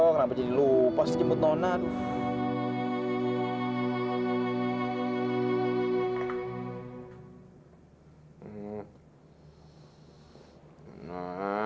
kenapa jadi lupa sih jemput nona